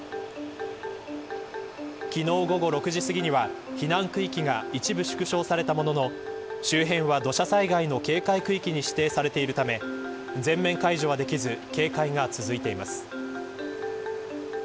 昨日午後６時すぎには避難区域が一部縮小されたものの周辺は土砂災害の警戒区域に指定されているため全面解除はできず警戒が続いています。